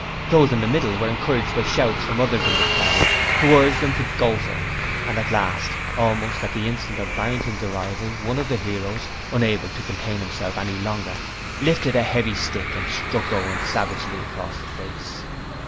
Those in the middle were encouraged by shouts from others in the crowd, who urged them to 'Go for him' and at last almost at the instant of Barrington's arrival one of the heroes, unable to contain himself any longer, lifted a heavy stick and struck Owen savagely across the face.